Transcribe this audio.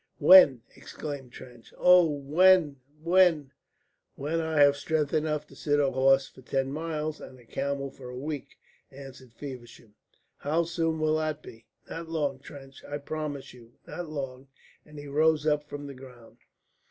"When?" exclaimed Trench. "Oh, when, when?" "When I have strength enough to sit a horse for ten miles, and a camel for a week," answered Feversham. "How soon will that be? Not long, Trench, I promise you not long," and he rose up from the ground.